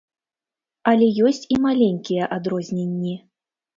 Але ёсць і маленькія адрозненні.